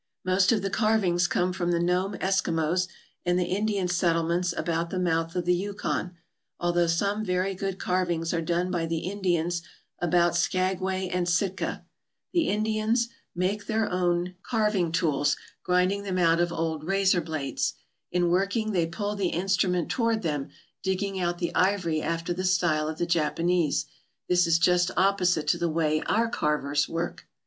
Most of the carvings come from the Nome Eskimos and the Indian settlements about the mouth of the Yukon, al though some very good carvings are done by the Indians about Skagway and Sitka. The Indians make their own 104 SKAGWAY, THE GATE TO THE KLONUIKh, carving tools, grinding them out of old razor blades. In working they pull the instrument toward them, digging out the ivory after the style of the Japanese. This is just opposite to the way our carvers work.